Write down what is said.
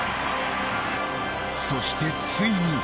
そしてついに。